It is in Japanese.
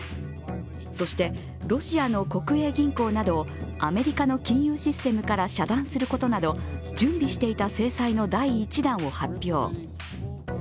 そして、ロシアの国営銀行などをアメリカの金融システムから遮断することなど準備していた制裁の第１弾を発表。